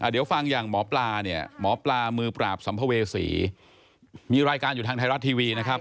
เดี๋ยวฟังอย่างหมอปลาเนี่ยหมอปลามือปราบสัมภเวษีมีรายการอยู่ทางไทยรัฐทีวีนะครับ